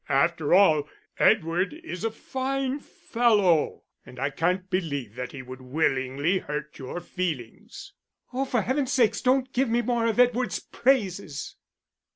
After all, Edward is a fine fellow, and I can't believe that he would willingly hurt your feelings." "Oh, for heaven's sake don't give me more of Edward's praises."